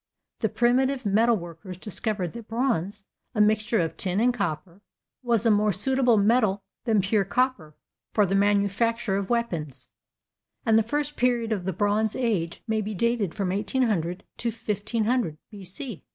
the primitive metalworkers discovered that bronze, a mixture of tin and copper, was a more suitable metal than pure copper for the manufacture of weapons; and the first period of the bronze age may be dated from 1800 to 1500 B.C.